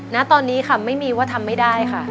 ณตอนนี้ค่ะไม่มีว่าทำไม่ได้ค่ะ